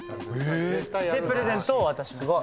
えっ⁉でプレゼントを渡しますね。